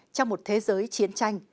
trong một thế giới chiến tranh